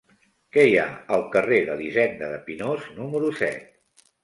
Què hi ha al carrer d'Elisenda de Pinós número set?